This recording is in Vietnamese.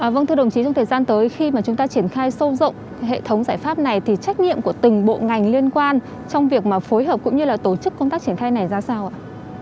vâng thưa đồng chí trong thời gian tới khi mà chúng ta triển khai sâu rộng hệ thống giải pháp này thì trách nhiệm của từng bộ ngành liên quan trong việc mà phối hợp cũng như là tổ chức công tác triển khai này ra sao ạ